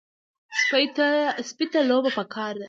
سپي ته لوبه پکار ده.